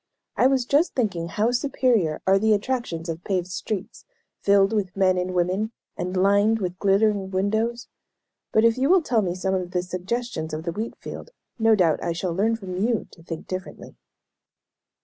I was just thinking how superior are the attractions of paved streets, filled with men and women, and lined with glittering windows. But if you will tell me some of the suggestions of the wheat field, no doubt I shall learn from you to think differently."